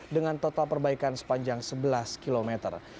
dengan total perbaikan sepanjang sebelas kilometer